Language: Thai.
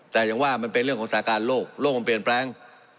แต่อย่างว่ามันเป็นเรื่องของสาการโลกโลกมันเปลี่ยนแปลง